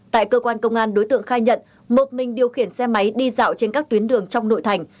tại cơ quan công an đối tượng khai nhận một mình điều khiển xe máy đi dạo trên các tuyến đường trong nội thành